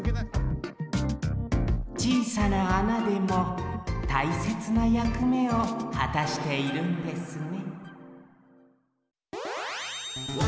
ちいさな穴でもたいせつなやくめをはたしているんですね